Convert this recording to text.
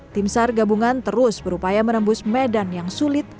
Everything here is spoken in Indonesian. tim sar gabungan terus berupaya menembus medan yang sulit